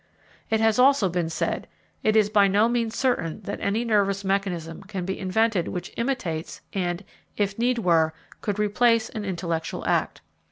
It has also been said: it is by no means certain that any nervous mechanism can be invented which imitates and, if need were, could replace an intellectual act.